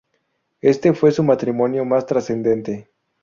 Este fue su matrimonio más trascendente.